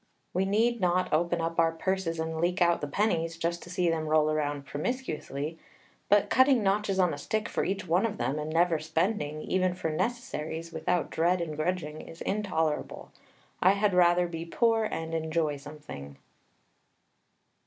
We need not open up our purses and leak out the pennies, just to see them roll around promiscuously; but cutting notches on a stick for each one of them, and never spending, even for necessaries, without dread and grudging, is intolerable. I had rather be poor and enjoy something.